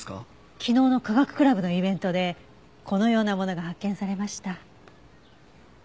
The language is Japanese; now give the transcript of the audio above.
昨日の科学クラブのイベントでこのようなものが発見されました。